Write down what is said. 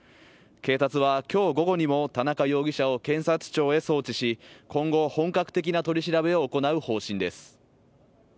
警察はきょう午後にも田中容疑者を検察庁へ送致し今後本格的な取り調べを行う方針です